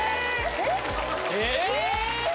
えっ？